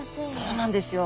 そうなんですよ！